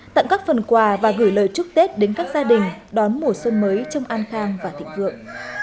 tặng các phần quà và gửi lời chúc tết đến các gia đình đón mùa xuân mới trong an khang và thịnh vượng